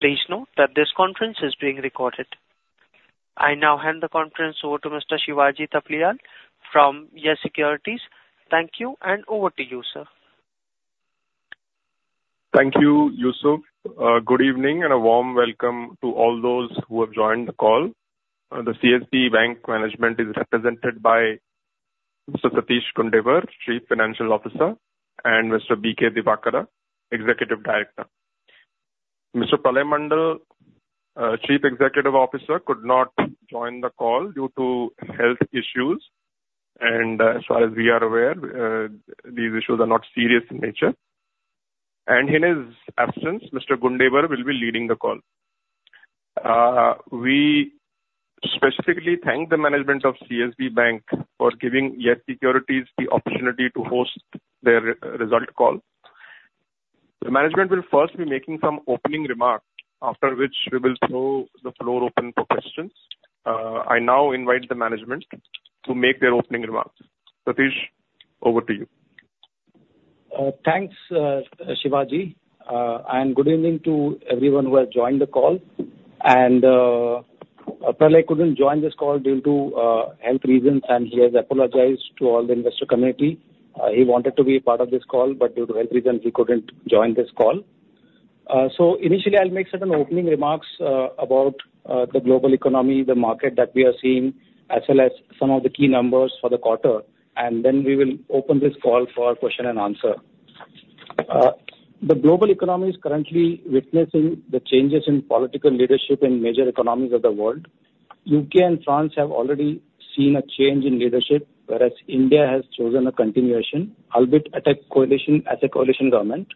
Please note that this conference is being recorded. I now hand the conference over to Mr. Shivaji Thapliyal from Yes Securities. Thank you, and over to you, sir. Thank you, Yusuf. Good evening and a warm welcome to all those who have joined the call. The CSB Bank Management is represented by Mr. Satish Gundewar, Chief Financial Officer, and Mr. B. K. Divakara, Executive Director. Mr. Pralay Mondal, Chief Executive Officer, could not join the call due to health issues, and as far as we are aware, these issues are not serious in nature. In his absence, Mr. Gundewar will be leading the call. We specifically thank the management of CSB Bank for giving Yes Securities the opportunity to host their result call. The management will first be making some opening remarks, after which we will throw the floor open for questions. I now invite the management to make their opening remarks. Satish, over to you. Thanks, Shivaji. And good evening to everyone who has joined the call. And Pralay couldn't join this call due to health reasons, and he has apologized to all the investor committee. He wanted to be part of this call, but due to health reasons, he couldn't join this call. So initially, I'll make certain opening remarks about the global economy, the market that we are seeing, as well as some of the key numbers for the quarter, and then we will open this call for question and answer. The global economy is currently witnessing the changes in political leadership in major economies of the world. UK and France have already seen a change in leadership, whereas India has chosen a continuation albeit at a coalition government.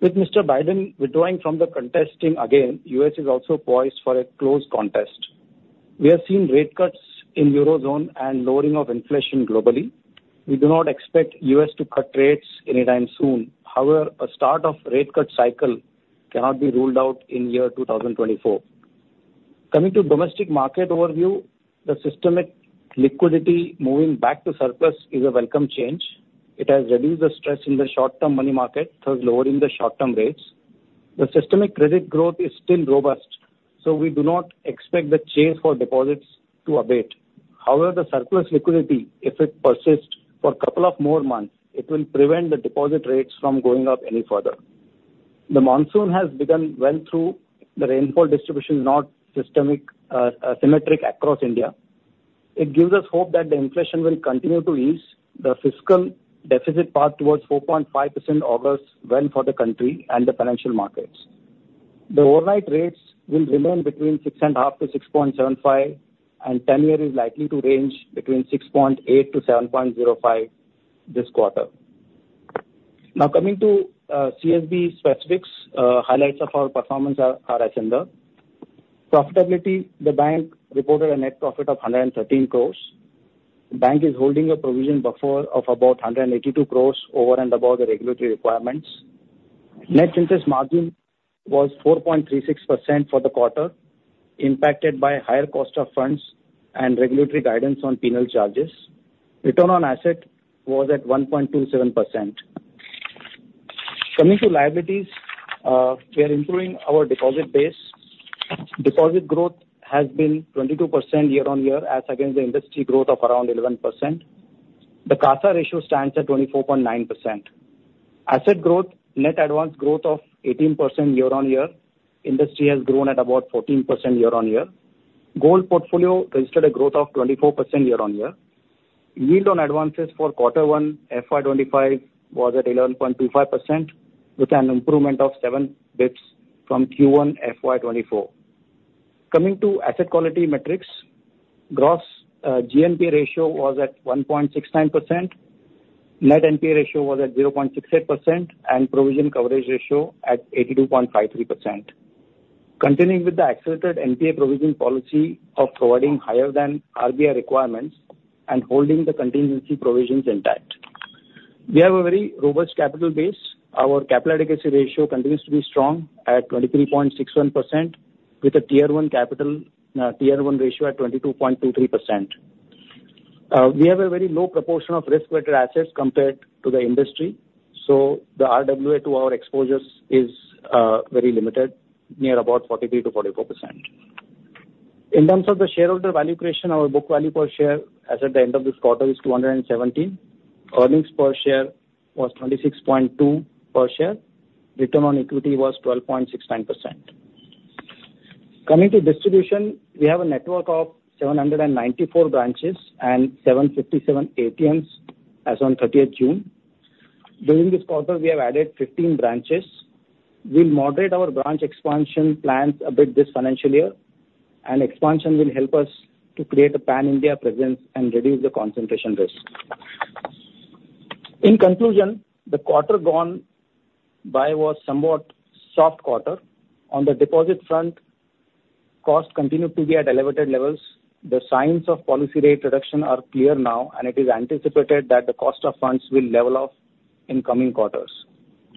With Mr. Biden withdrawing from the contesting again, the US is also poised for a close contest. We have seen rate cuts in the Eurozone and lowering of inflation globally. We do not expect the U.S. to cut rates anytime soon. However, a start of a rate cut cycle cannot be ruled out in the year 2024. Coming to the domestic market overview, the systemic liquidity moving back to surplus is a welcome change. It has reduced the stress in the short-term money market, thus lowering the short-term rates. The systemic credit growth is still robust, so we do not expect the chase for deposits to abate. However, the surplus liquidity, if it persists for a couple of more months, it will prevent the deposit rates from going up any further. The monsoon has begun well through. The rainfall distribution is not symmetric across India. It gives us hope that the inflation will continue to ease. The fiscal deficit path towards 4.5% augurs is well for the country and the financial markets. The overnight rates will remain between 6.5%-6.75%, and tenure is likely to range between 6.8%-7.05% this quarter. Now, coming to CSB specifics, highlights of our performance are as follows: Profitability: The bank reported a net profit of 113. The bank is holding a provision buffer of about 182 crore over and above the regulatory requirements. Net interest margin was 4.36% for the quarter, impacted by higher cost of funds and regulatory guidance on penal charges. Return on asset was at 1.27%. Coming to liabilities, we are improving our deposit base. Deposit growth has been 22% year-on-year, as against the industry growth of around 11%. The CASA ratio stands at 24.9%. Asset growth: Net advance growth of 18% year-on-year. Industry has grown at about 14% year-on-year. Gold portfolio registered a growth of 24% year-on-year. Yield on advances for Q1 FY25 was at 11.25%, with an improvement of 7 basis points from Q1 FY24. Coming to asset quality metrics, gross GNPA ratio was at 1.69%, net NPA ratio was at 0.68%, and provision coverage ratio at 82.53%. Continuing with the accelerated NPA provision policy of providing higher than RBI requirements and holding the contingency provisions intact. We have a very robust capital base. Our Capital Adequacy Ratio continues to be strong at 23.61%, with a Tier 1 ratio at 22.23%. We have a very low proportion of risk-weighted assets compared to the industry, so the RWA to our exposures is very limited, near about 43%-44%. In terms of the shareholder value creation, our book value per share as at the end of this quarter is 217. Earnings per share was 26.2 per share. Return on equity was 12.69%. Coming to distribution, we have a network of 794 branches and 757 ATMs as of 30th June. During this quarter, we have added 15 branches. We'll moderate our branch expansion plans a bit this financial year, and expansion will help us to create a pan-India presence and reduce the concentration risk. In conclusion, the quarter gone by was somewhat a soft quarter. On the deposit front, costs continue to be at elevated levels. The signs of policy rate reduction are clear now, and it is anticipated that the cost of funds will level off in coming quarters.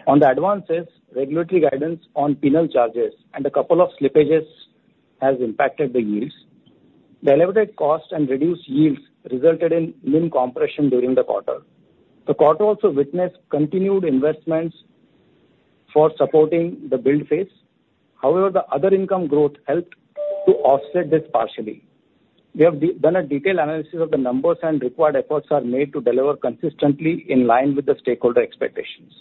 On the advances, regulatory guidance on penal charges and a couple of slippages have impacted the yields. The elevated cost and reduced yields resulted in NIM compression during the quarter. The quarter also witnessed continued investments for supporting the build phase. However, the other income growth helped to offset this partially. We have done a detailed analysis of the numbers, and required efforts are made to deliver consistently in line with the stakeholder expectations.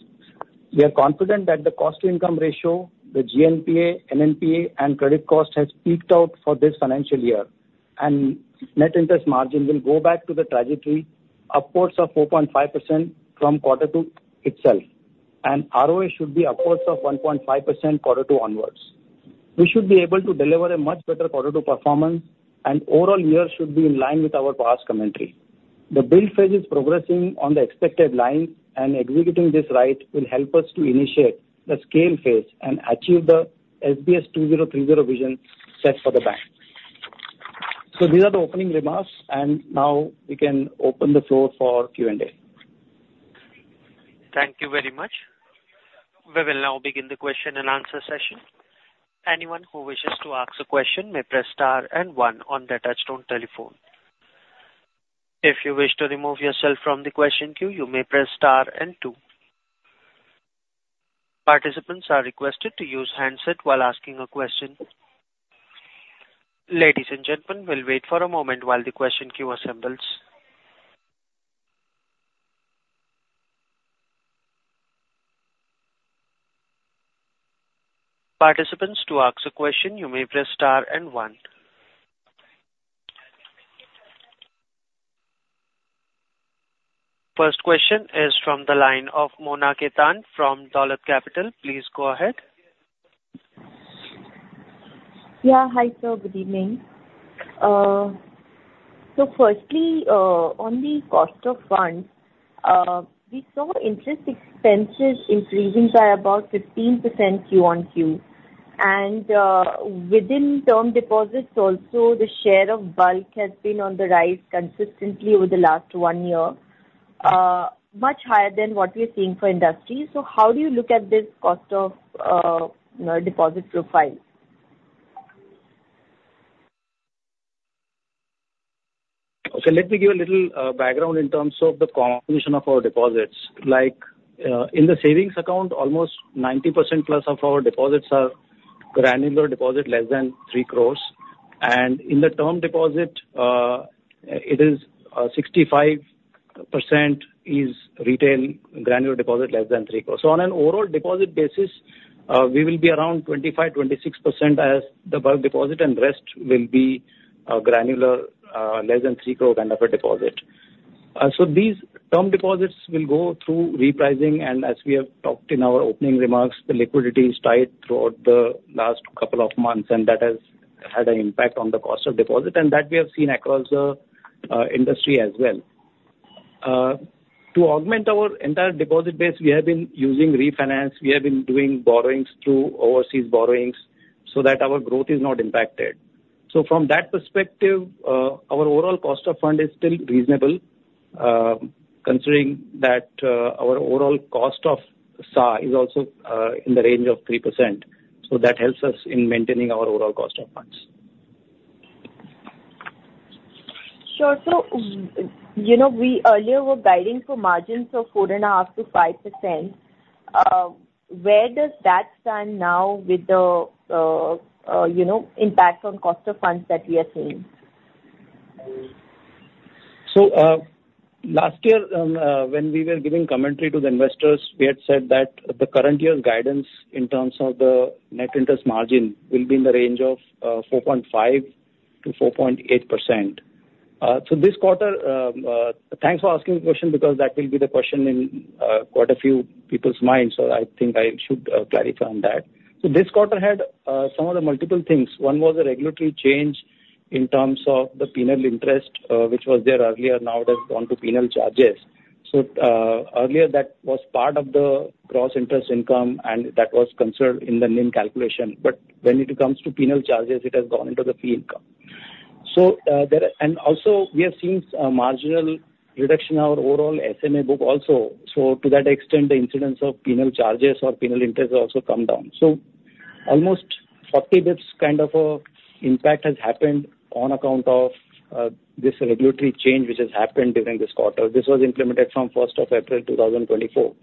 We are confident that the cost-to-income ratio, the GNPA, NNPA, and credit cost have peaked out for this financial year, and net interest margin will go back to the trajectory upwards of 4.5% from Q2 itself, and ROA should be upwards of 1.5% from Q2 onwards. We should be able to deliver a much better Q2 performance, and overall year should be in line with our past commentary. The build phase is progressing on the expected line, and executing this right will help us to initiate the scale phase and achieve the CSB 2030 vision set for the bank. So these are the opening remarks, and now we can open the floor for Q&A. Thank you very much. We will now begin the question and answer session. Anyone who wishes to ask a question may press star and one on the touch-tone telephone. If you wish to remove yourself from the question queue, you may press star and two. Participants are requested to use handset while asking a question. Ladies and gentlemen, we'll wait for a moment while the question queue assembles. Participants to ask a question, you may press star and one. First question is from the line of Mona Khetan from Dolat Capital. Please go ahead. Yeah, hi. So good evening. So firstly, on the cost of funds, we saw interest expenses increasing by about 15% quarter-on-quarter. And within term deposits, also, the share of bulk has been on the rise consistently over the last one year, much higher than what we're seeing for industry. So how do you look at this cost of deposit profile? Okay. Let me give a little background in terms of the composition of our deposits. In the savings account, almost 90% plus of our deposits are granular deposit less than 3 crore. In the term deposit, it is 65% is retail granular deposit less than 3 crore. On an overall deposit basis, we will be around 25%-26% as the bulk deposit, and the rest will be granular less than 3 crore kind of a deposit. These term deposits will go through repricing, and as we have talked in our opening remarks, the liquidity is tight throughout the last couple of months, and that has had an impact on the cost of deposit and that we have seen across the industry as well. To augment our entire deposit base, we have been using refinance. We have been doing borrowings through overseas borrowings so that our growth is not impacted. So from that perspective, our overall cost of funds is still reasonable, considering that our overall cost of CASA is also in the range of 3%. So that helps us in maintaining our overall cost of funds. Sure. So we earlier were guiding for margins of 4.5%-5%. Where does that stand now with the impact on cost of funds that we are seeing? So last year, when we were giving commentary to the investors, we had said that the current year's guidance in terms of the net interest margin will be in the range of 4.5%-4.8%. So this quarter, thanks for asking the question because that will be the question in quite a few people's minds, so I think I should clarify on that. So this quarter had some of the multiple things. One was a regulatory change in terms of the penal interest, which was there earlier. Now it has gone to penal charges. So earlier, that was part of the gross interest income, and that was considered in the NIM calculation. But when it comes to penal charges, it has gone into the fee income. And also, we have seen a marginal reduction in our overall SMA book also. So to that extent, the incidence of penal charges or penal interest has also come down. So almost 40 basis points kind of an impact has happened on account of this regulatory change which has happened during this quarter. This was implemented from 1st of April 2024.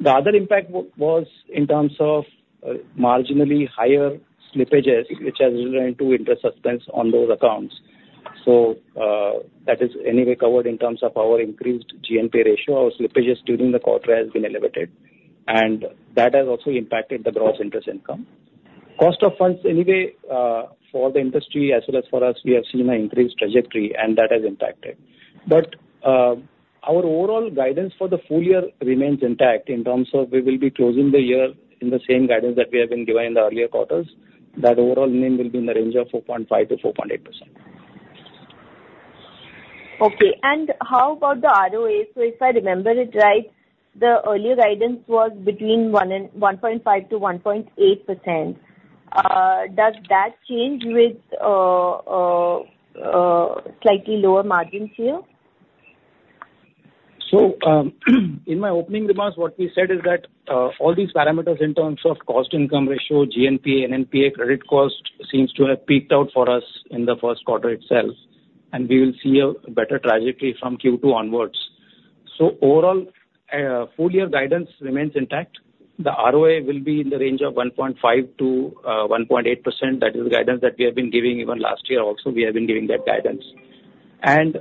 The other impact was in terms of marginally higher slippages, which has led to interest suspension on those accounts. So that is anyway covered in terms of our increased GNPA ratio. Our slippages during the quarter have been elevated, and that has also impacted the gross interest income. Cost of funds anyway for the industry as well as for us, we have seen an increased trajectory, and that has impacted. But our overall guidance for the full year remains intact in terms of we will be closing the year in the same guidance that we have been given in the earlier quarters. That overall NIM will be in the range of 4.5%-4.8%. Okay. How about the ROA? If I remember it right, the earlier guidance was between 1.5%-1.8%. Does that change with slightly lower margins here? So in my opening remarks, what we said is that all these parameters in terms of cost-income ratio, GNPA, NNPA, credit cost seems to have peaked out for us in the first quarter itself, and we will see a better trajectory from Q2 onwards. So overall, full year guidance remains intact. The ROA will be in the range of 1.5%-1.8%. That is the guidance that we have been giving even last year. Also, we have been giving that guidance. And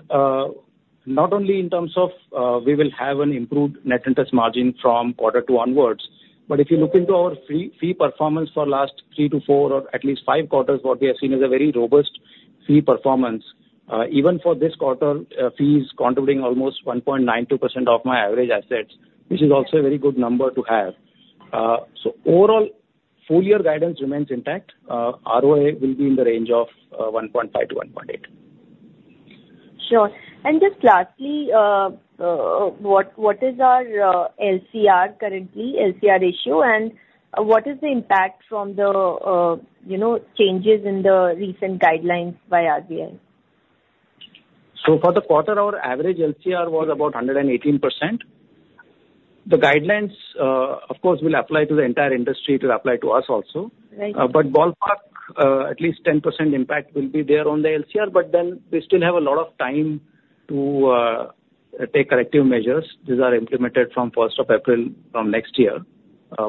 not only in terms of we will have an improved net interest margin from Q2 onwards, but if you look into our fee performance for the last three to four or at least five quarters, what we have seen is a very robust fee performance. Even for this quarter, fees contributing almost 1.92% of my average assets, which is also a very good number to have. Overall, full year guidance remains intact. ROA will be in the range of 1.5%-1.8%. Sure. And just lastly, what is our LCR currently, LCR ratio, and what is the impact from the changes in the recent guidelines by RBI? For the quarter, our average LCR was about 118%. The guidelines, of course, will apply to the entire industry to apply to us also. Ballpark, at least 10% impact will be there on the LCR, but then we still have a lot of time to take corrective measures. These are implemented from 1st of April from next year.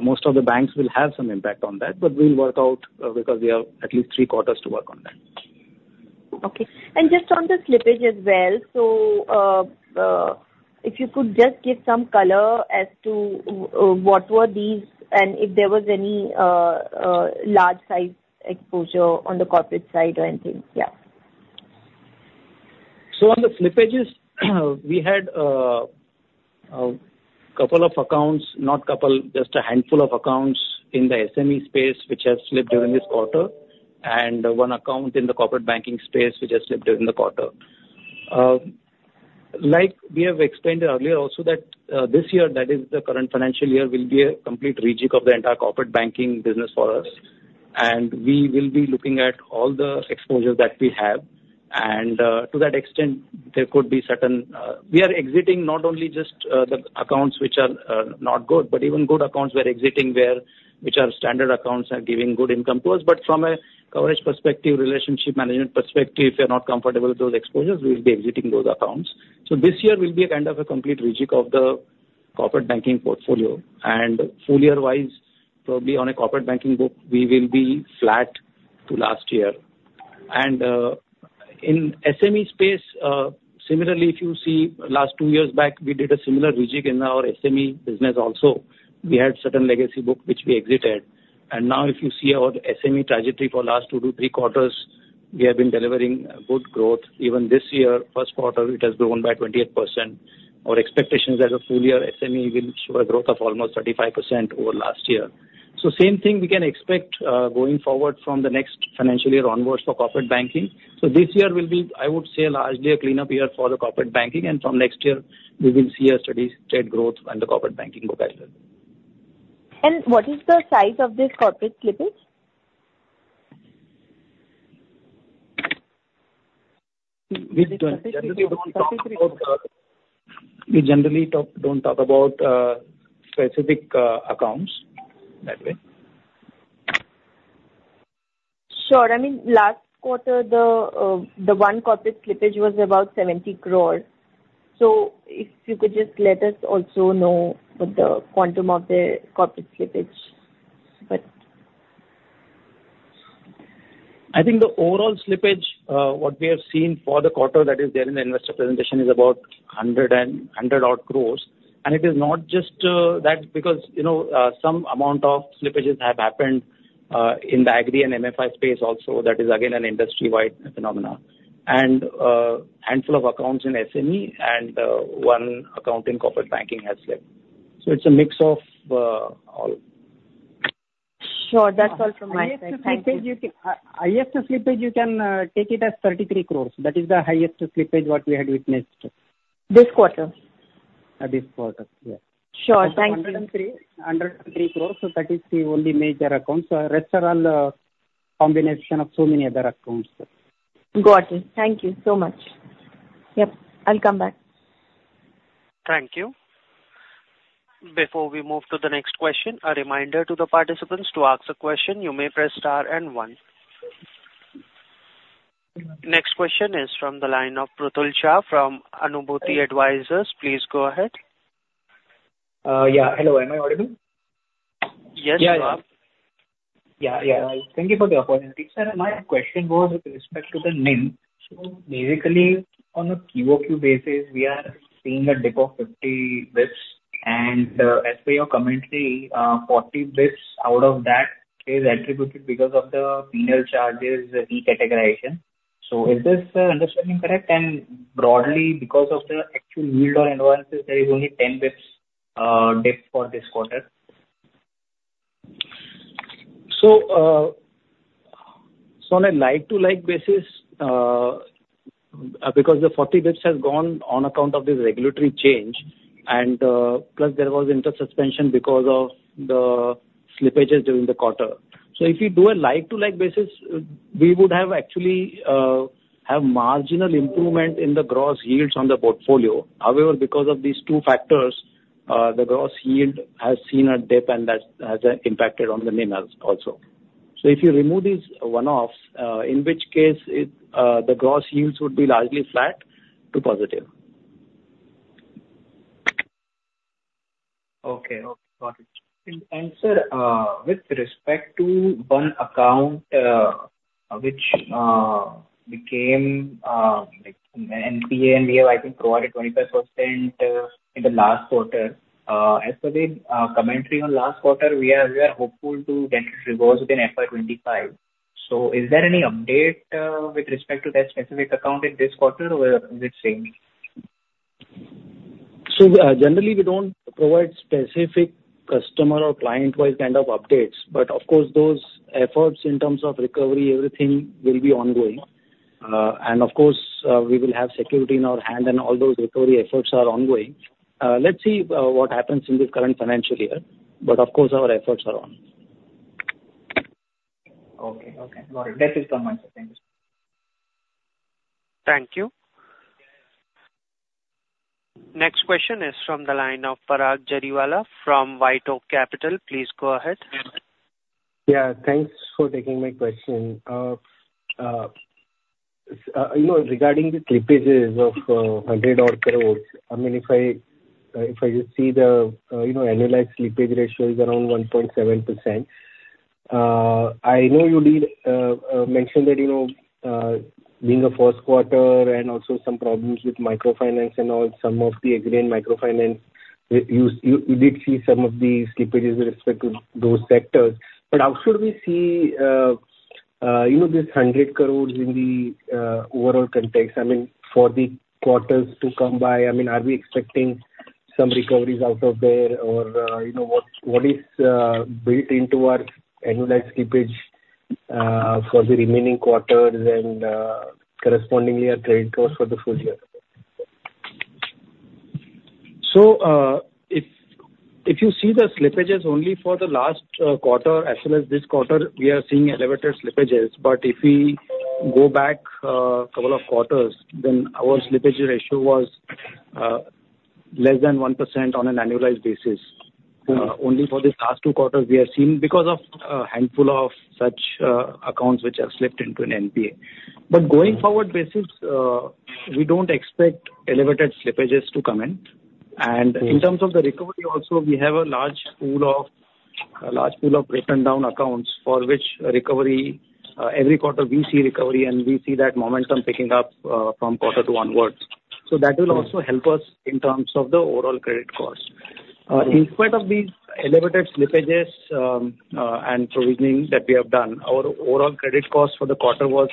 Most of the banks will have some impact on that, but we'll work out because we have at least three quarters to work on that. Okay. Just on the slippage as well, so if you could just give some color as to what were these and if there was any large-sized exposure on the corporate side or anything. Yeah. So on the slippages, we had a couple of accounts, not a couple, just a handful of accounts in the SME space which have slipped during this quarter, and one account in the corporate banking space which has slipped during the quarter. Like we have explained earlier also that this year, that is the current financial year, will be a complete rejig of the entire corporate banking business for us, and we will be looking at all the exposures that we have. And to that extent, there could be certain we are exiting not only just the accounts which are not good, but even good accounts we're exiting which are standard accounts and giving good income to us. But from a coverage perspective, relationship management perspective, if we're not comfortable with those exposures, we'll be exiting those accounts. So this year will be a kind of a complete rejig of the corporate banking portfolio. And full year-wise, probably on a corporate banking book, we will be flat to last year. And in SME space, similarly, if you see last two years back, we did a similar rejig in our SME business also. We had certain legacy book which we exited. And now if you see our SME trajectory for last two to three quarters, we have been delivering good growth. Even this year, first quarter, it has grown by 28%. Our expectation is that a full year SME will show a growth of almost 35% over last year. So same thing we can expect going forward from the next financial year onwards for corporate banking. So this year will be, I would say, largely a cleanup year for the corporate banking, and from next year, we will see a steady state growth in the corporate banking book as well. What is the size of this corporate slippage? We generally don't talk about specific accounts that way. Sure. I mean, last quarter, the one corporate slippage was about 70 crore. So if you could just let us also know what the quantum of the corporate slippage is? I think the overall slippage, what we have seen for the quarter that is there in the investor presentation, is about 100-odd crore. It is not just that because some amount of slippages have happened in the agri and MFI space also. That is, again, an industry-wide phenomenon. A handful of accounts in SME and one account in corporate banking has slipped. It is a mix of all. Sure. That's all from my side. Highest slippage, you can take it as 33 crores. That is the highest slippage what we had witnessed. This quarter? This quarter, yes. Sure. Thank you. Under 3 crore. So that is the only major accounts. The rest are all a combination of so many other accounts. Got it. Thank you so much. Yep. I'll come back. Thank you. Before we move to the next question, a reminder to the participants to ask a question. You may press star and one. Next question is from the line of Pruthul Shah from Anubhuti Advisors. Please go ahead. Yeah. Hello. Am I audible? Yes, you are. Thank you for the opportunity. Sir, my question was with respect to the NIM. Basically, on a QOQ basis, we are seeing a dip of 50 basis points. And as per your commentary, 40 basis points out of that is attributed because of the penal charges recategorization. Is this understanding correct? And broadly, because of the actual yield or advances, there is only 10 basis points dip for this quarter. So on a like-to-like basis, because the 40 basis points has gone on account of this regulatory change, and plus there was interest suspension because of the slippages during the quarter. So if you do a like-to-like basis, we would actually have marginal improvement in the gross yields on the portfolio. However, because of these two factors, the gross yield has seen a dip, and that has impacted on the NIMs also. So if you remove these one-offs, in which case the gross yields would be largely flat to positive. Okay. Got it. Sir, with respect to one account which became NPA, and we have I think provided 25% in the last quarter. As per the commentary on last quarter, we are hopeful to get reverse within FY25. Is there any update with respect to that specific account in this quarter, or is it same? Generally, we don't provide specific customer or client-wise kind of updates. Of course, those efforts in terms of recovery, everything will be ongoing. Of course, we will have security in our hand, and all those recovery efforts are ongoing. Let's see what happens in the current financial year. Of course, our efforts are on. Okay. Okay. Got it. That is the answer. Thank you. Thank you. Next question is from the line of Parag Jariwala from White Oak Capital. Please go ahead. Yeah. Thanks for taking my question. Regarding the slippages of 100-odd crores, I mean, if I just see the annualized slippage ratio is around 1.7%. I know you did mention that being a first quarter and also some problems with microfinance and all, some of the agri and microfinance, you did see some of the slippages with respect to those sectors. But how should we see this 100 crores in the overall context? I mean, for the quarters to come by, I mean, are we expecting some recoveries out of there, or what is built into our annualized slippage for the remaining quarters and correspondingly our credit costs for the full year? So if you see the slippages only for the last quarter as well as this quarter, we are seeing elevated slippages. But if we go back a couple of quarters, then our slippage ratio was less than 1% on an annualized basis. Only for the last two quarters, we have seen because of a handful of such accounts which have slipped into an NPA. But going forward basis, we don't expect elevated slippages to come in. And in terms of the recovery also, we have a large pool of written-down accounts for which recovery every quarter we see recovery, and we see that momentum picking up from quarter to onwards. So that will also help us in terms of the overall credit cost. In spite of these elevated slippages and provisioning that we have done, our overall credit cost for the quarter was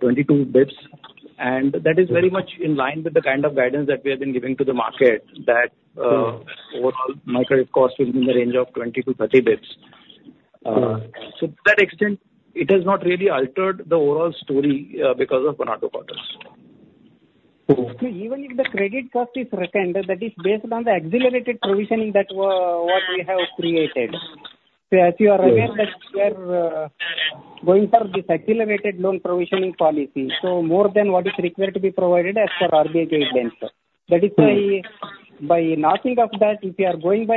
22 basis points. That is very much in line with the kind of guidance that we have been giving to the market that overall microcost will be in the range of 20-30 basis points. To that extent, it has not really altered the overall story because of one or two quarters. So even if the credit cost is returned, that is based on the accelerated provisioning than what we have created. So, as you are aware, we are going for this accelerated loan provisioning policy. So more than what is required to be provided as per RBI guidance. That is why, by knocking off that, if you are going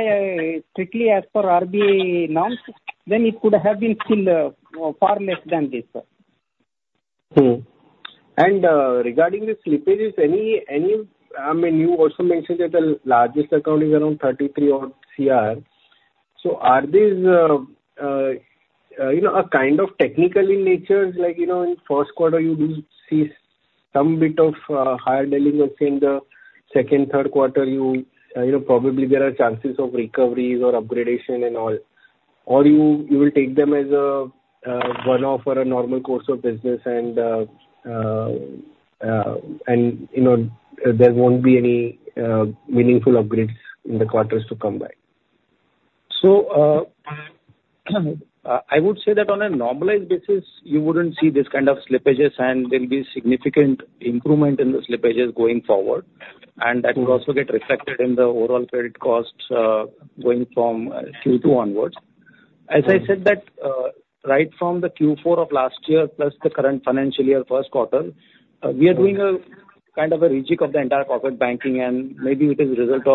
strictly as per RBI norms, then it could have been still far less than this. Regarding the slippages, I mean, you also mentioned that the largest account is around 33-odd CR. So are these a kind of technical in nature? Like in first quarter, you do see some bit of higher delinquency. In the second, third quarter, probably there are chances of recoveries or upgradation and all. Or you will take them as a one-off or a normal course of business, and there won't be any meaningful upgrades in the quarters to come by. So I would say that on a normalized basis, you wouldn't see this kind of slippages, and there will be significant improvement in the slippages going forward. That will also get reflected in the overall credit cost going from Q2 onwards. As I said, right from the Q4 of last year plus the current financial year first quarter, we are doing a kind of a rejig of the entire corporate banking, and maybe it is the result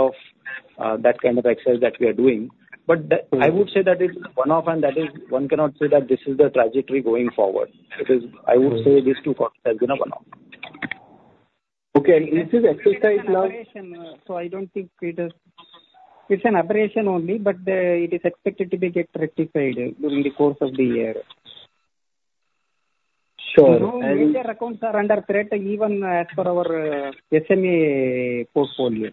of that kind of exercise that we are doing. But I would say that it is one-off, and that is one cannot say that this is the trajectory going forward. It is, I would say, these two quarters has been a one-off. Okay. And is this exercise now? It's an operation. So I don't think it is it's an operation only, but it is expected to be get rectified during the course of the year. Sure. And. We know the major accounts are under threat, even as per our SME portfolio.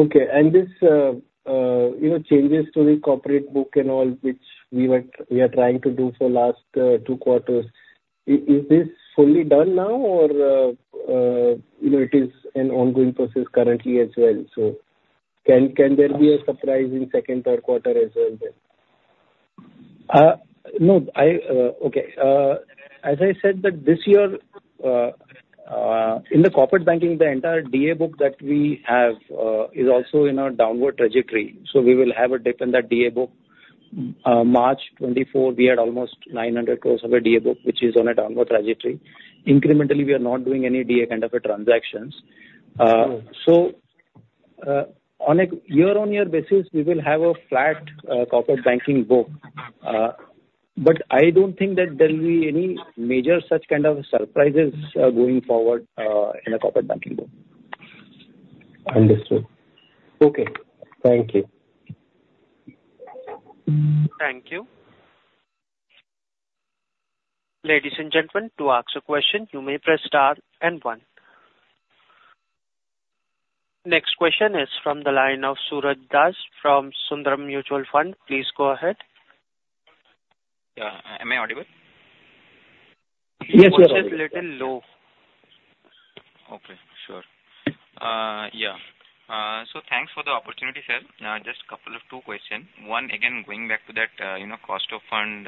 Okay. These changes to the corporate book and all, which we are trying to do for last two quarters, is this fully done now, or it is an ongoing process currently as well? Can there be a surprise in second, third quarter as well then? No. Okay. As I said, this year, in the corporate banking, the entire DA book that we have is also in a downward trajectory. So we will have a dip in that DA book. March 2024, we had almost 900 crore of a DA book, which is on a downward trajectory. Incrementally, we are not doing any DA kind of transactions. So on a year-on-year basis, we will have a flat corporate banking book. But I don't think that there will be any major such kind of surprises going forward in the corporate banking book. Understood. Okay. Thank you. Thank you. Ladies and gentlemen, to ask a question, you may press star and one. Next question is from the line of Suraj Das from Sundaram Mutual Fund. Please go ahead. Yeah. Am I audible? Yes, you are. The pitch is a little low. Okay. Sure. Yeah. So thanks for the opportunity, sir. Just a couple of two questions. One, again, going back to that cost of fund,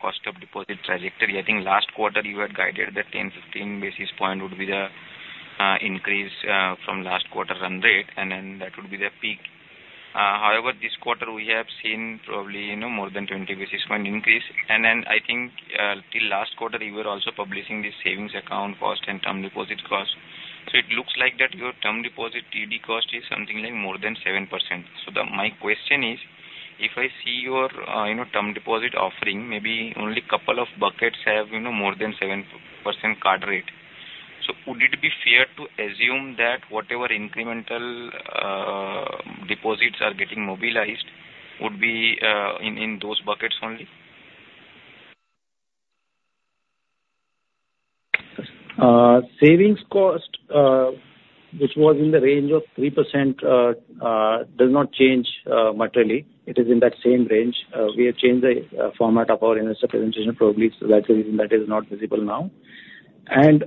cost of deposit trajectory, I think last quarter you had guided that 10-15 basis points would be the increase from last quarter run rate, and then that would be the peak. However, this quarter, we have seen probably more than 20 basis point increase. And then I think till last quarter, you were also publishing this savings account cost and term deposit cost. So it looks like that your term deposit TD cost is something like more than 7%. So my question is, if I see your term deposit offering, maybe only a couple of buckets have more than 7% card rate. So would it be fair to assume that whatever incremental deposits are getting mobilized would be in those buckets only? Savings cost, which was in the range of 3%, does not change materially. It is in that same range. We have changed the format of our investor presentation probably. So that's the reason that is not visible now. And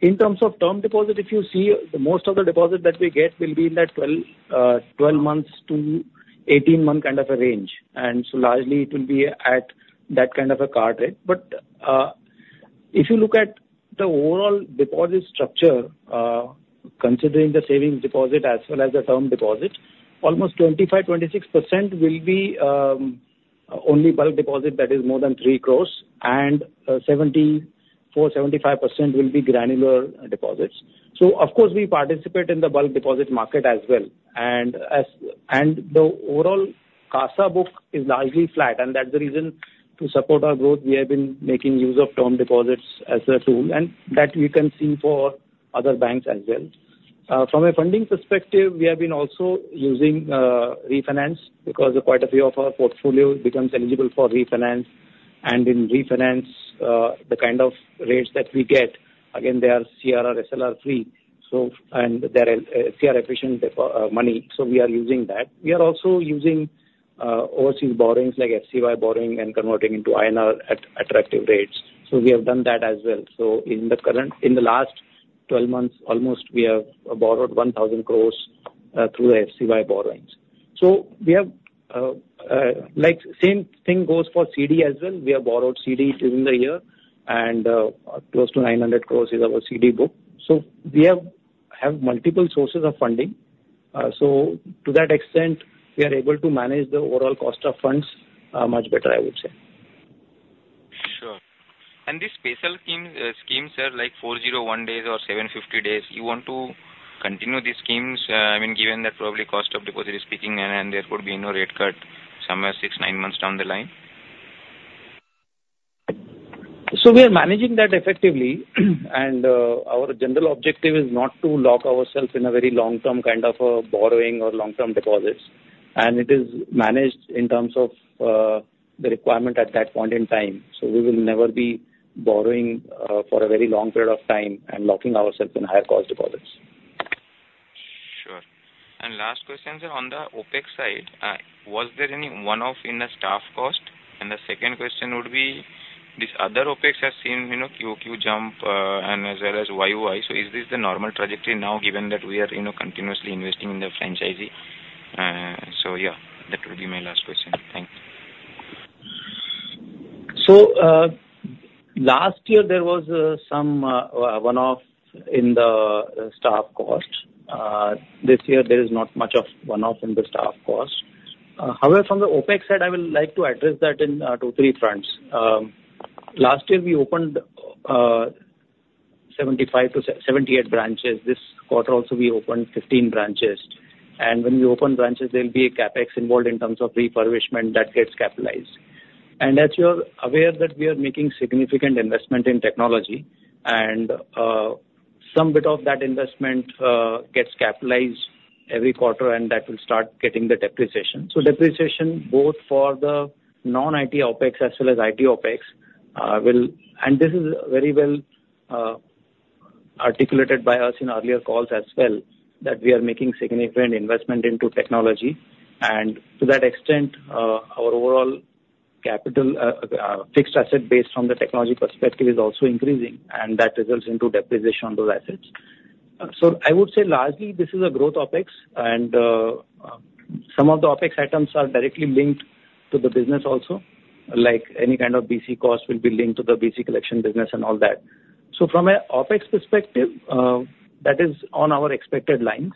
in terms of term deposit, if you see, most of the deposit that we get will be in that 12 months to 18-month kind of a range. And so largely, it will be at that kind of a card rate. But if you look at the overall deposit structure, considering the savings deposit as well as the term deposit, almost 25%-26% will be only bulk deposit that is more than 3 crore, and 74%-75% will be granular deposits. So of course, we participate in the bulk deposit market as well. And the overall CASA book is largely flat. And that's the reason to support our growth. We have been making use of term deposits as a tool, and that we can see for other banks as well. From a funding perspective, we have been also using refinance because quite a few of our portfolio becomes eligible for refinance. In refinance, the kind of rates that we get, again, they are CRR, SLR-free, and they are CRR efficient money. We are using that. We are also using overseas borrowings like FCY borrowing and converting into INR at attractive rates. We have done that as well. In the last 12 months, almost we have borrowed 1,000 crore through the FCY borrowings. The same thing goes for CD as well. We have borrowed CD during the year, and close to 900 crore is our CD book. We have multiple sources of funding. To that extent, we are able to manage the overall cost of funds much better, I would say. Sure. And these special schemes, sir, like 401 days or 750 days, you want to continue these schemes? I mean, given that probably cost of deposit is peaking, and there could be no rate cut somewhere 6, 9 months down the line? We are managing that effectively. Our general objective is not to lock ourselves in a very long-term kind of borrowing or long-term deposits. It is managed in terms of the requirement at that point in time. We will never be borrowing for a very long period of time and locking ourselves in higher cost deposits. Sure. Last question, sir, on the OpEx side, was there any one-off in the staff cost? The second question would be, these other OpEx have seen QQ jump and as well as YUI. Is this the normal trajectory now, given that we are continuously investing in the franchisee? Yeah, that would be my last question. Thank you. Last year, there was some one-off in the staff cost. This year, there is not much of one-off in the staff cost. However, from the OpEx side, I would like to address that in two or three fronts. Last year, we opened 75-78 branches. This quarter also, we opened 15 branches. When we open branches, there will be a CapEx involved in terms of refurbishment that gets capitalized. As you are aware, that we are making significant investment in technology. Some bit of that investment gets capitalized every quarter, and that will start getting the depreciation. Depreciation, both for the non-IT OpEx as well as IT OpEx, will, and this is very well articulated by us in earlier calls as well, that we are making significant investment into technology. To that extent, our overall capital fixed asset based on the technology perspective is also increasing, and that results into depreciation on those assets. So I would say largely, this is a growth OpEx. And some of the OpEx items are directly linked to the business also, like any kind of BC cost will be linked to the BC collection business and all that. So from an OpEx perspective, that is on our expected lines.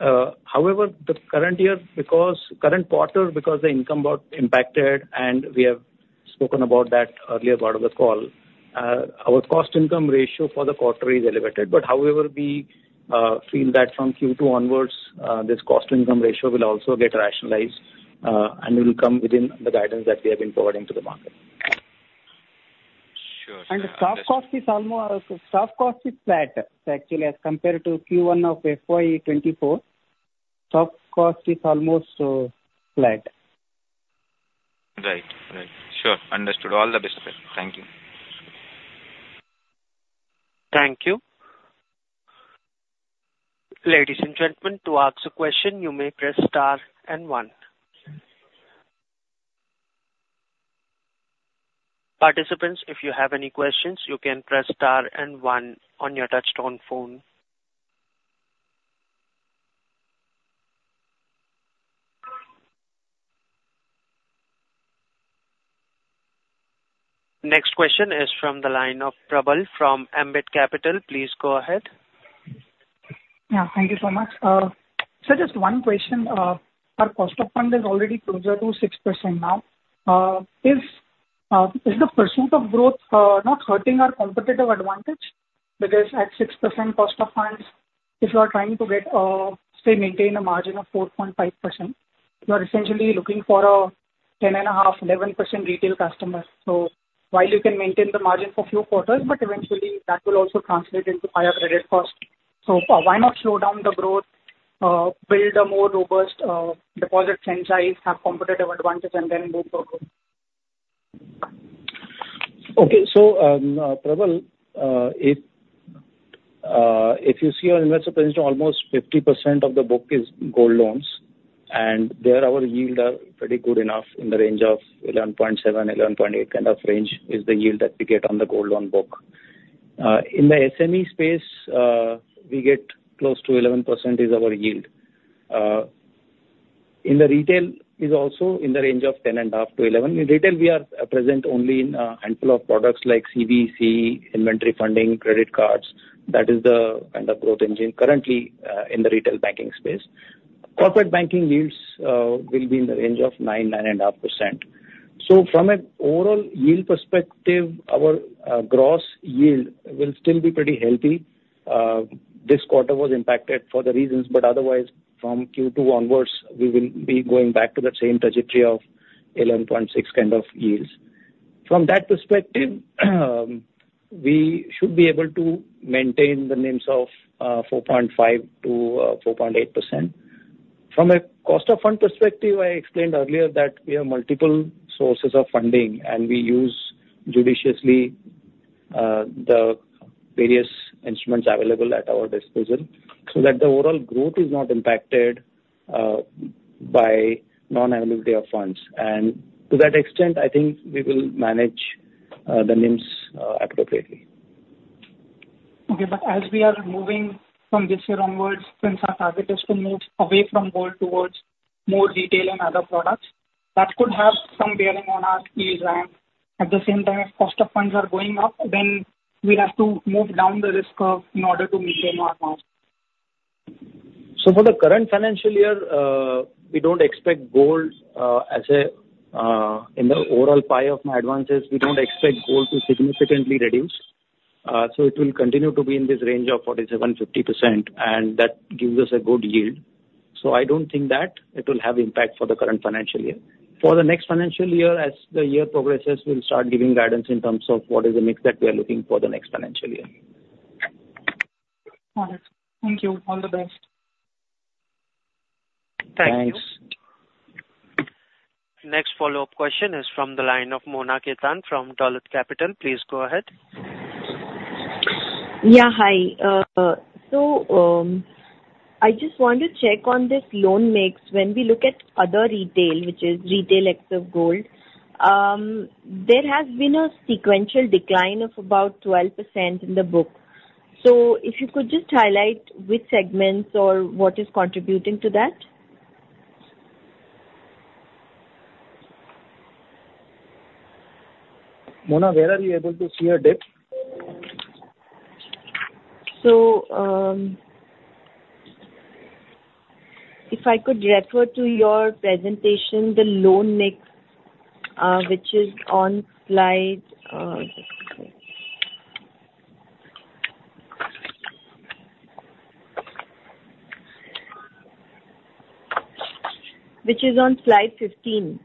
However, the current year, because current quarter, because the income growth impacted, and we have spoken about that earlier part of the call, our cost income ratio for the quarter is elevated. But however, we feel that from Q2 onwards, this cost income ratio will also get rationalized and will come within the guidance that we have been providing to the market. Sure. The staff cost is almost flat, actually, as compared to Q1 of FY 2024. Staff cost is almost flat. Right. Right. Sure. Understood. All the best, sir. Thank you. Thank you. Ladies and gentlemen, to ask a question, you may press star and one. Participants, if you have any questions, you can press star and one on your touch-tone phone. Next question is from the line of Prabal from Ambit Capital. Please go ahead. Yeah. Thank you so much. So just one question. Our cost of fund is already closer to 6% now. Is the pursuit of growth not hurting our competitive advantage? Because at 6% cost of funds, if you are trying to get, say, maintain a margin of 4.5%, you are essentially looking for a 10.5%-11% retail customer. So while you can maintain the margin for a few quarters, but eventually, that will also translate into higher credit cost. So why not slow down the growth, build a more robust deposit franchise, have competitive advantage, and then move forward? Okay. So Prabal, if you see our investor position, almost 50% of the book is gold loans. And there our yields are pretty good enough in the range of 11.7%-11.8% kind of range is the yield that we get on the gold loan book. In the SME space, we get close to 11% is our yield. In the retail, it is also in the range of 10.5%-11%. In retail, we are present only in a handful of products like CV/CE, inventory funding, credit cards. That is the kind of growth engine currently in the retail banking space. Corporate banking yields will be in the range of 9%-9.5%. So from an overall yield perspective, our gross yield will still be pretty healthy. This quarter was impacted for the reasons. But otherwise, from Q2 onwards, we will be going back to that same trajectory of 11.6 kind of yields. From that perspective, we should be able to maintain the NIMs of 4.5%-4.8%. From a cost of funds perspective, I explained earlier that we have multiple sources of funding, and we use judiciously the various instruments available at our disposal so that the overall growth is not impacted by non-availability of funds. And to that extent, I think we will manage the NIMs appropriately. Okay. But as we are moving from this year onwards, since our target is to move away from gold towards more retail and other products, that could have some bearing on our yield ramp. At the same time, if cost of funds are going up, then we have to move down the risk curve in order to maintain our margin. So for the current financial year, we don't expect gold as a in the overall pie of my advances, we don't expect gold to significantly reduce. So it will continue to be in this range of 47%-50%, and that gives us a good yield. So I don't think that it will have impact for the current financial year. For the next financial year, as the year progresses, we'll start giving guidance in terms of what is the mix that we are looking for the next financial year. Got it. Thank you. All the best. Thank you. Thanks. Next follow-up question is from the line of Mona Khetan from Dolat Capital. Please go ahead. Yeah. Hi. So I just want to check on this loan mix. When we look at other retail, which is retail except gold, there has been a sequential decline of about 12% in the book. So if you could just highlight which segments or what is contributing to that? Mona, where are you able to see a dip? So if I could refer to your presentation, the loan mix, which is on slide 15.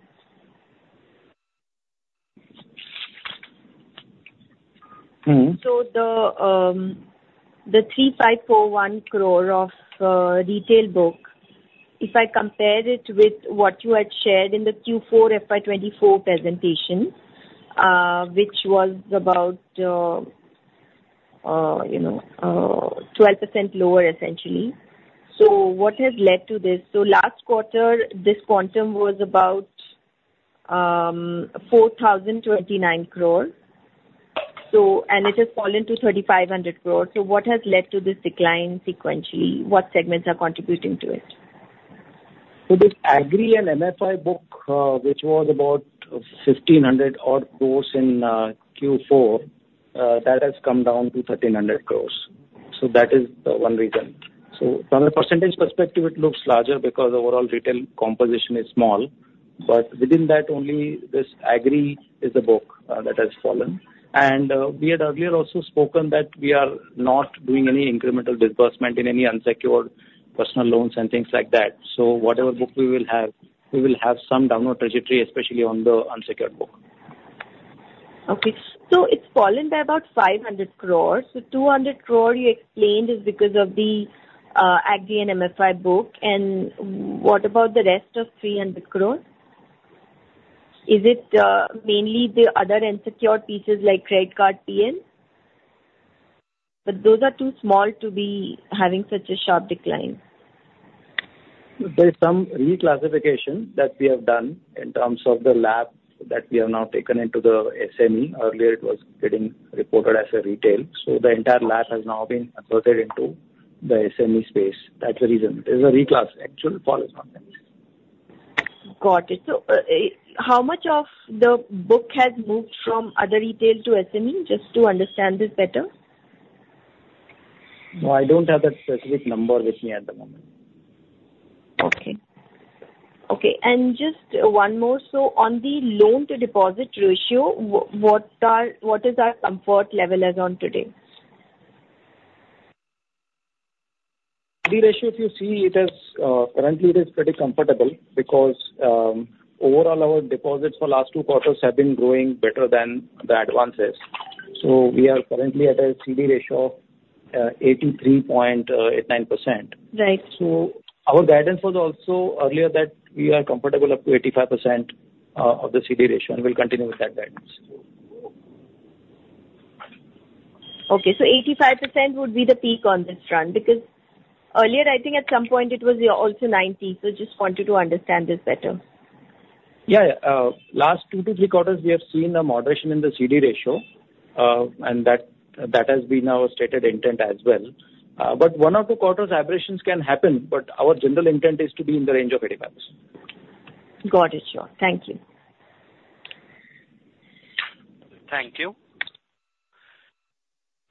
So the 3,541 crore of retail book, if I compare it with what you had shared in the Q4 FY 2024 presentation, which was about 12% lower, essentially. So what has led to this? So last quarter, this quantum was about 4,029 crore. And it has fallen to 3,500 crore. So what has led to this decline sequentially? What segments are contributing to it? So this Agri and MFI book, which was about 1,500-odd crores in Q4, that has come down to 1,300 crores. So that is the one reason. So from a percentage perspective, it looks larger because overall retail composition is small. But within that, only this Agri is the book that has fallen. And we had earlier also spoken that we are not doing any incremental disbursement in any unsecured personal loans and things like that. So whatever book we will have, we will have some downward trajectory, especially on the unsecured book. Okay. It's fallen by about 500 crore. The 200 crore you explained is because of the Agri and MFI book. What about the rest of 300 crore? Is it mainly the other unsecured pieces like credit card PL? Those are too small to be having such a sharp decline. There is some reclassification that we have done in terms of the LAP that we have now taken into the SME. Earlier, it was getting reported as a retail. So the entire LAP has now been converted into the SME space. That's the reason. There's a reclass; actual fall is not there. Got it. So how much of the book has moved from other retail to SME? Just to understand this better. No, I don't have that specific number with me at the moment. Okay. Okay. And just one more. So on the loan-to-deposit ratio, what is our comfort level as on today? CD ratio, if you see it as currently, it is pretty comfortable because overall, our deposits for last two quarters have been growing better than the advances. So we are currently at a CD ratio of 83.89%. So our guidance was also earlier that we are comfortable up to 85% of the CD ratio and will continue with that guidance. Okay. So 85% would be the peak on this run because earlier, I think at some point, it was also 90%. Just wanted to understand this better. Yeah. Last 2 to 3 quarters, we have seen a moderation in the CD ratio, and that has been our stated intent as well. But 1 or 2 quarters, aberrations can happen, but our general intent is to be in the range of 85%. Got it. Sure. Thank you. Thank you.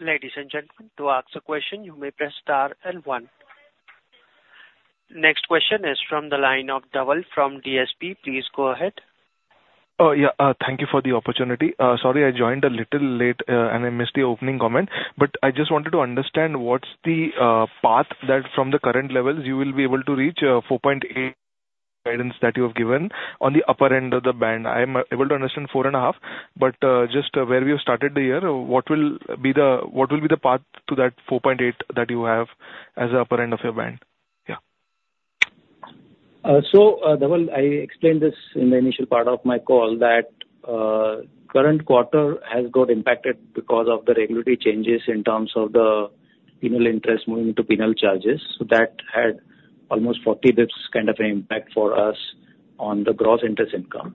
Ladies and gentlemen, to ask a question, you may press star and one. Next question is from the line of Dhawal from DSP. Please go ahead. Oh, yeah. Thank you for the opportunity. Sorry, I joined a little late and I missed the opening comment. But I just wanted to understand what's the path that from the current levels, you will be able to reach 4.8 guidance that you have given on the upper end of the band. I'm able to understand 4.5. But just where we have started the year, what will be the path to that 4.8 that you have as the upper end of your band? Yeah. So Dhawal, I explained this in the initial part of my call that current quarter has got impacted because of the regulatory changes in terms of the penal interest moving to penal charges. So that had almost 40 basis points kind of an impact for us on the gross interest income.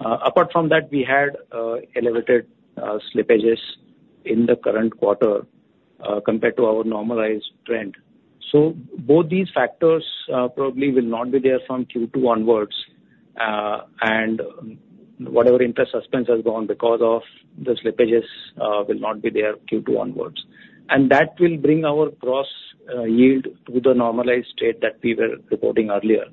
Apart from that, we had elevated slippages in the current quarter compared to our normalized trend. So both these factors probably will not be there from Q2 onwards. And whatever interest suspense has gone because of the slippages will not be there Q2 onwards. And that will bring our gross yield to the normalized state that we were reporting earlier.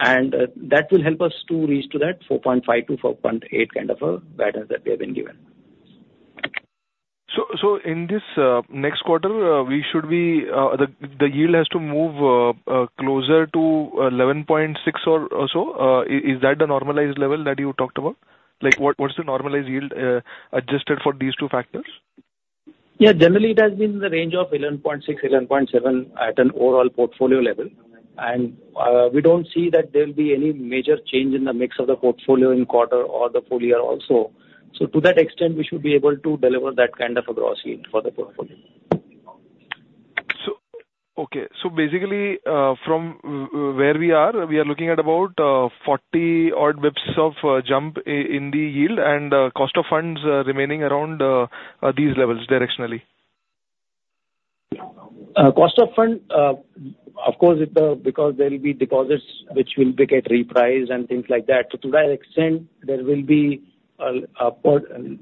And that will help us to reach to that 4.5-4.8 kind of a guidance that we have been given. So in this next quarter, we should be the yield has to move closer to 11.6 or so. Is that the normalized level that you talked about? What's the normalized yield adjusted for these two factors? Yeah. Generally, it has been in the range of 11.6, 11.7 at an overall portfolio level. And we don't see that there will be any major change in the mix of the portfolio in quarter or the full year also. So to that extent, we should be able to deliver that kind of a gross yield for the portfolio. Okay. So basically, from where we are, we are looking at about 40 bps of jump in the yield and cost of funds remaining around these levels directionally. Cost of funds, of course, because there will be deposits which will be getting repriced and things like that. So to that extent, there will be a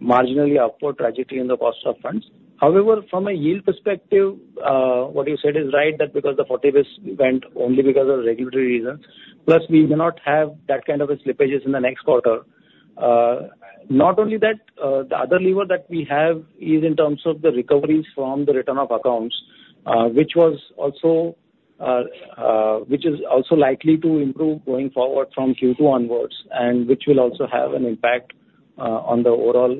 marginally upward trajectory in the cost of funds. However, from a yield perspective, what you said is right that because the 40 bps went only because of regulatory reasons. Plus, we may not have that kind of a slippages in the next quarter. Not only that, the other lever that we have is in terms of the recoveries from the return of accounts, which is also likely to improve going forward from Q2 onwards and which will also have an impact on the overall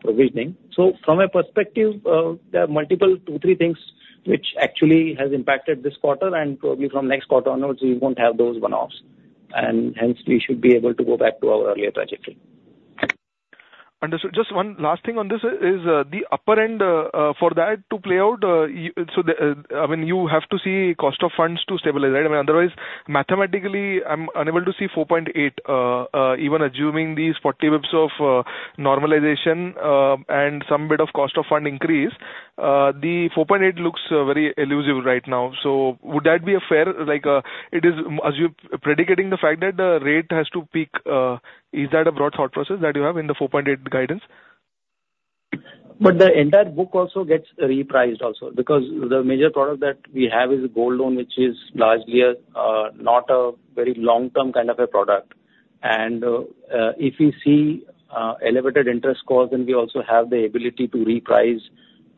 provisioning. So from a perspective, there are multiple 2, 3 things which actually have impacted this quarter. Probably from next quarter onwards, we won't have those one-offs. Hence, we should be able to go back to our earlier trajectory. Understood. Just one last thing on this is the upper end for that to play out. So I mean, you have to see cost of funds to stabilize. Otherwise, mathematically, I'm unable to see 4.8. Even assuming these 40 basis points of normalization and some bit of cost of fund increase, the 4.8 looks very elusive right now. So would that be a fair it is, as you predicating the fact that the rate has to peak. Is that a broad thought process that you have in the 4.8 guidance? The entire book also gets repriced also because the major product that we have is Gold Loan, which is largely not a very long-term kind of a product. If we see elevated interest costs, then we also have the ability to reprice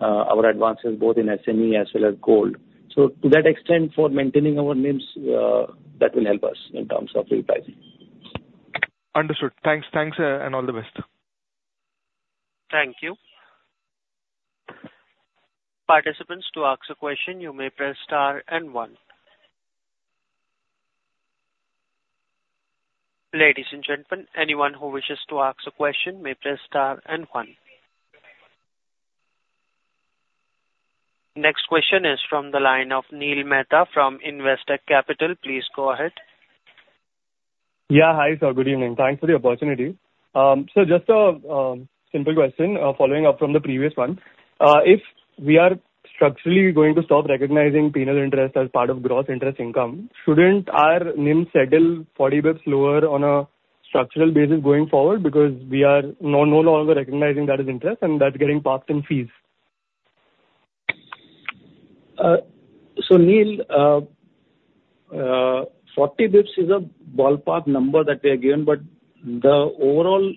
our advances both in SME as well as gold. To that extent, for maintaining our NIMs, that will help us in terms of repricing. Understood. Thanks. Thanks and all the best. Thank you. Participants, to ask a question, you may press star and one. Ladies and gentlemen, anyone who wishes to ask a question may press star and one. Next question is from the line of Neel Mehta from Investec Capital. Please go ahead. Yeah. Hi, sir. Good evening. Thanks for the opportunity. So just a simple question following up from the previous one. If we are structurally going to stop recognizing penal interest as part of gross interest income, shouldn't our NIM settle 40 basis points lower on a structural basis going forward because we are no longer recognizing that as interest and that's getting parked in fees? So Neel, 40 bips is a ballpark number that we are given, but the overall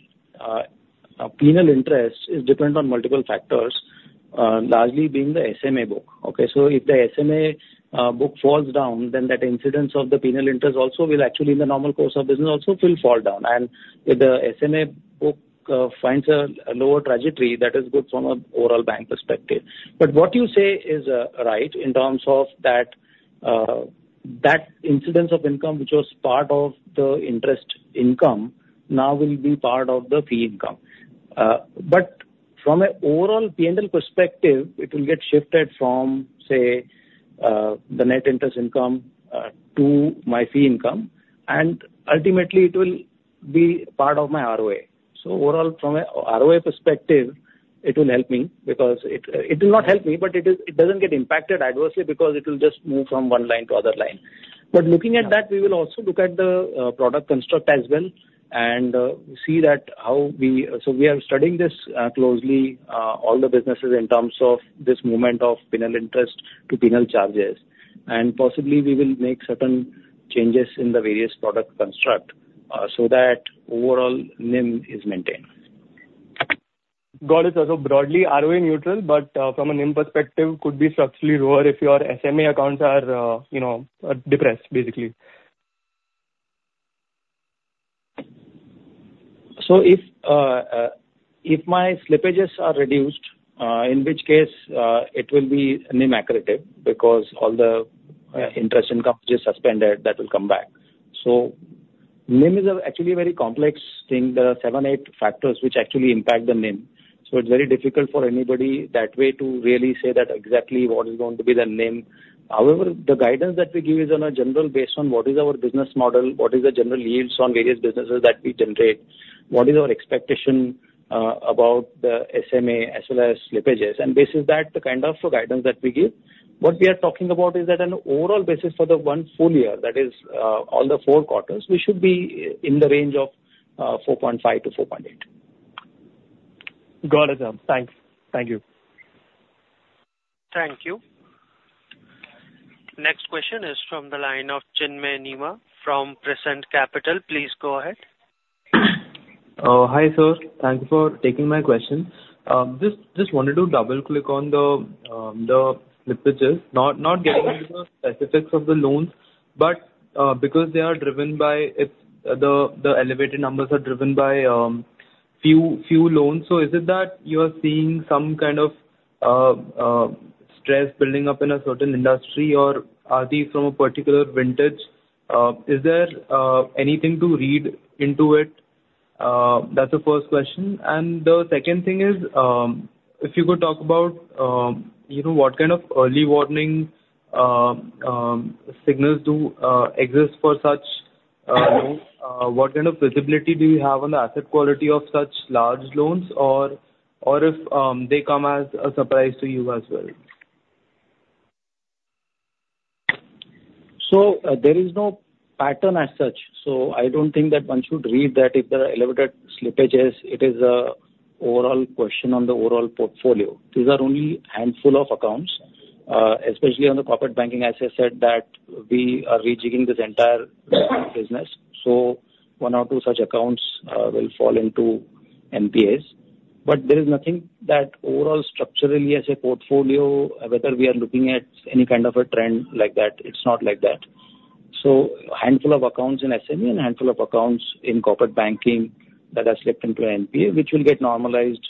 penal interest is dependent on multiple factors, largely being the SMA book. Okay. So if the SMA book falls down, then that incidence of the penal interest also will actually in the normal course of business also will fall down. And if the SMA book finds a lower trajectory, that is good from an overall bank perspective. But what you say is right in terms of that incidence of income, which was part of the interest income, now will be part of the fee income. But from an overall P&L perspective, it will get shifted from, say, the net interest income to my fee income. And ultimately, it will be part of my ROA. Overall, from an ROA perspective, it will help me because it will not help me, but it doesn't get impacted adversely because it will just move from one line to other line. But looking at that, we will also look at the product construct as well and see that how we are studying this closely, all the businesses in terms of this movement of penal interest to penal charges. And possibly, we will make certain changes in the various product construct so that overall NIM is maintained. Got it. So broadly, ROA neutral, but from a NIM perspective, could be structurally lower if your SMA accounts are depressed, basically. So if my slippages are reduced, in which case it will be NIM accurate because all the interest income is suspended, that will come back. So NIM is actually a very complex thing. There are 7, 8 factors which actually impact the NIM. So it's very difficult for anybody that way to really say that exactly what is going to be the NIM. However, the guidance that we give is on a general basis based on what is our business model, what is the general yields on various businesses that we generate, what is our expectation about the SMA as well as slippages. And based on that, the kind of guidance that we give, what we are talking about is that on an overall basis for the 1 full year, that is, all the 4 quarters, we should be in the range of 4.5%-4.8%. Got it, sir. Thanks. Thank you. Thank you. Next question is from the line of Chinmay Nema from Prescient Capital. Please go ahead. Hi, sir. Thanks for taking my question. Just wanted to double-click on the slippages. Not getting into the specifics of the loans, but because the elevated numbers are driven by few loans. So is it that you are seeing some kind of stress building up in a certain industry, or are these from a particular vintage? Is there anything to read into it? That's the first question. And the second thing is, if you could talk about what kind of early warning signals do exist for such loans? What kind of visibility do you have on the asset quality of such large loans, or if they come as a surprise to you as well? So there is no pattern as such. So I don't think that one should read that if there are elevated slippages. It is an overall question on the overall portfolio. These are only a handful of accounts, especially on the corporate banking, as I said, that we are rejigging this entire business. So one or two such accounts will fall into NPAs. But there is nothing that overall structurally as a portfolio, whether we are looking at any kind of a trend like that, it's not like that. So a handful of accounts in SME and a handful of accounts in corporate banking that are slipped into NPA, which will get normalized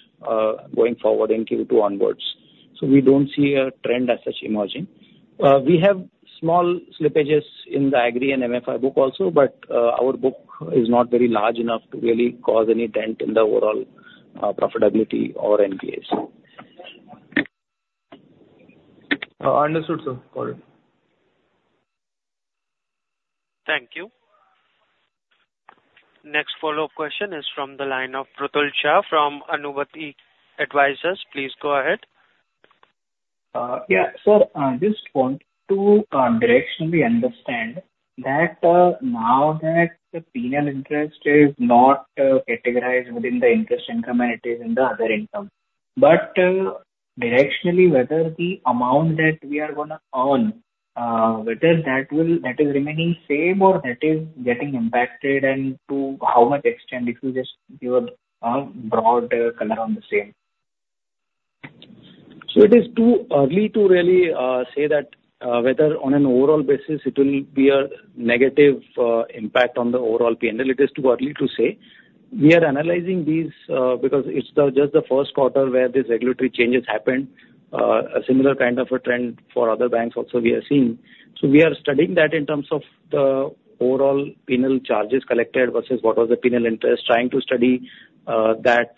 going forward in Q2 onwards. So we don't see a trend as such emerging. We have small slippages in the Agri and MFI book also, but our book is not very large enough to really cause any dent in the overall profitability or NPAs. Understood, sir. Got it. Thank you. Next follow-up question is from the line of Prathool Shah from Anubhuti Advisors. Please go ahead. Yeah, sir. Just want to directionally understand that now that the penal interest is not categorized within the interest income and it is in the other income. But directionally, whether the amount that we are going to earn, whether that is remaining same or that is getting impacted and to how much extent, if you just give a broad color on the same. It is too early to really say that whether on an overall basis, it will be a negative impact on the overall P&L. It is too early to say. We are analyzing these because it's just the first quarter where these regulatory changes happened. A similar kind of a trend for other banks also we are seeing. We are studying that in terms of the overall penal charges collected versus what was the penal interest, trying to study that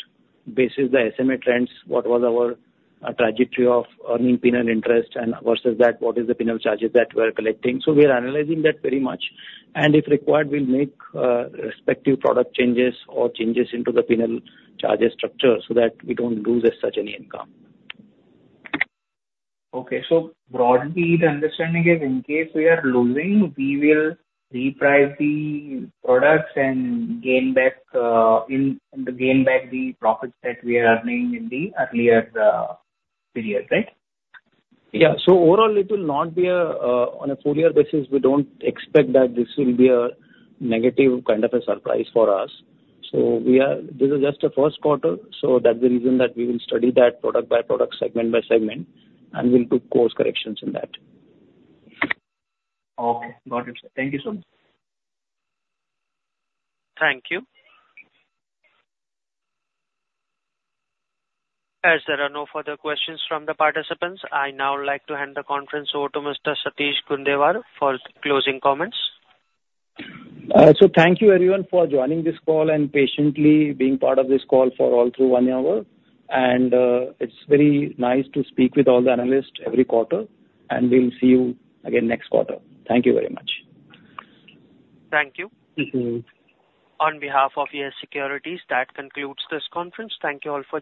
basis the SMA trends, what was our trajectory of earning penal interest and versus that what is the penal charges that we are collecting. We are analyzing that very much. If required, we'll make respective product changes or changes into the penal charges structure so that we don't lose as such any income. Okay. So broadly, the understanding is in case we are losing, we will reprice the products and gain back the profits that we are earning in the earlier period, right? Yeah. So overall, it will not be on a full year basis. We don't expect that this will be a negative kind of a surprise for us. So this is just the first quarter. So that's the reason that we will study that product by product, segment by segment, and we'll do course corrections in that. Okay. Got it. Thank you so much. Thank you. As there are no further questions from the participants, I now like to hand the conference over to Mr. Satish Gundewar for closing comments. Thank you everyone for joining this call and patiently being part of this call for all through one hour. It's very nice to speak with all the analysts every quarter. We'll see you again next quarter. Thank you very much. Thank you. On behalf of Yes Securities, that concludes this conference. Thank you all for.